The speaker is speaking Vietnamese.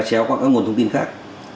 chéo qua các nguồn thông tin khác